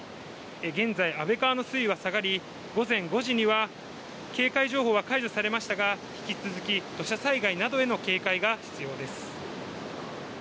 現在、安倍川の水位は下がり、午前５時には警戒情報は解除されましたが引き続き土砂災害などへの警戒が必要です。